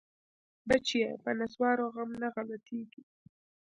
بچيه په نسوارو غم نه غلطيګي.